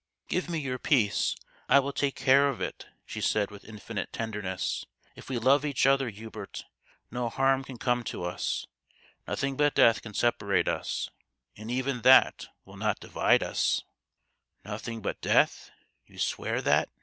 Give me your peace, I will take care of it," she said with infinite tenderness. " If we love each other, Hubert, no harm can come to us. Nothing but death can separate us, and even that will not divide us." THE GHOST OF THE PAST. 159 " Nothing but death ? You swear that